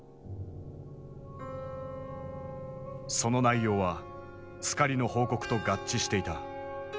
その内容はスカリの報告と合致していた。